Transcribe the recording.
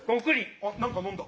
あっ何か飲んだ。